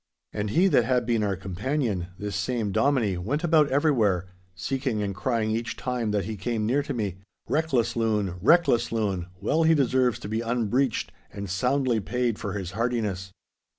And he that had been our companion, this same Dominie, went about everywhere, seeking and crying each time that he came near to me, "Reckless loon, reckless loon, well he deserves to be unbreeched and soundly paid for this hardiness."